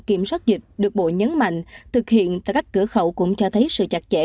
kiểm soát dịch được bộ nhấn mạnh thực hiện tại các cửa khẩu cũng cho thấy sự chặt chẽ